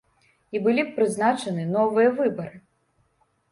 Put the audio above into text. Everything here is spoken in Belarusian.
І былі б прызначаны новыя выбары.